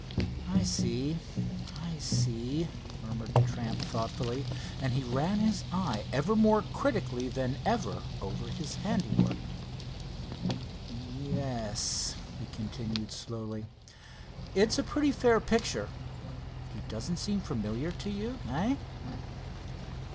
"I see, I see," murmured the tramp thoughtfully, and he ran his eye more critically than ever over his handiwork. "Ye es," he continued slowly, "it's a pretty fair picture. He doesn't seem familiar to you; eh?"